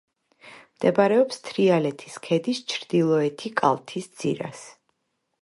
მდებარეობს თრიალეთის ქედის ჩრდილოეთი კალთის ძირას.